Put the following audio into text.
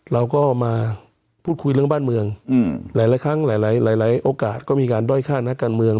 เราก็มาพูดคุยเรื่องบ้านเมืองหลายครั้งหลายโอกาสก็มีการด้อยฆ่านักการเมือง